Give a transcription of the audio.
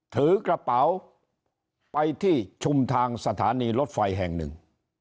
ถือกระเป๋าไปที่ชุมทางสถานีรถไฟแห่งหนึ่ง